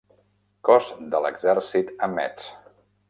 Cos de l'exèrcit a Metz.